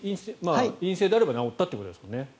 陰性であれば治ったということですよね。